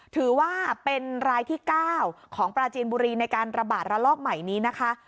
ถือว่าเป็นรายที่๙ของปราจีนบุรีในการระบาดระลอกใหม่นี้นะคะ